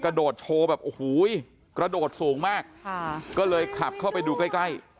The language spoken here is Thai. โดดโชว์แบบโอ้โหกระโดดสูงมากค่ะก็เลยขับเข้าไปดูใกล้ใกล้